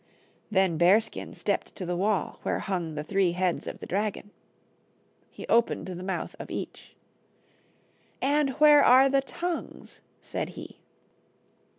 Then Bearskin stepped to the wall, where hung the three heads of the dragon. He opened the mouth of each. "And where are the tongues?" said he.